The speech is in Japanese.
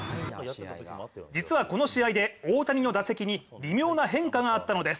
実はこの試合で大谷の打席に微妙な変化があったのです。